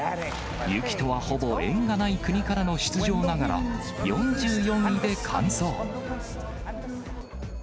雪とはほぼ縁がない国からの出場ながら、４４位で完走。